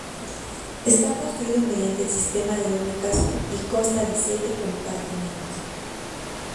Está construido mediante el sistema de doble casco y consta de siete compartimentos.